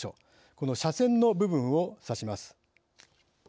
この斜線の部分を指します。